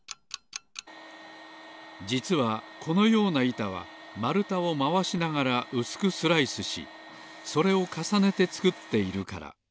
じつはこのようないたはまるたをまわしながらうすくスライスしそれをかさねてつくっているから。